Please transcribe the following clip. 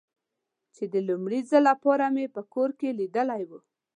چې د لومړي ځل له پاره مې په کور کې لیدلی و.